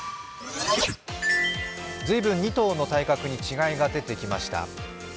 随分２頭の体格に違いが出てきました。